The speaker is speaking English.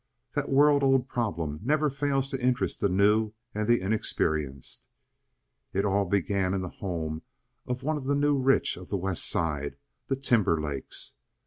That world old problem never fails to interest the new and the inexperienced. It all began in the home of one of the new rich of the West Side—the Timberlakes.